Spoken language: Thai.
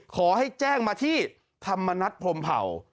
ขอให้แจ้งมาที่ธรรมนัฐพรมเผ่า